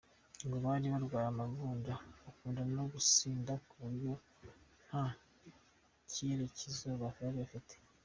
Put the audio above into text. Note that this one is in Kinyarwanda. Ngo bari barwaye amavunja, bakunda no gusinda ku buryo nta cyerekezo bari bafite.